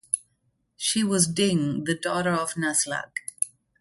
She was Ding, the daughter of Naslag.